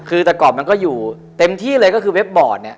คือแต่ก่อนมันก็อยู่เต็มที่เลยก็คือเว็บบอร์ดเนี่ย